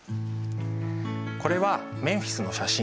これはメンフィスの写真。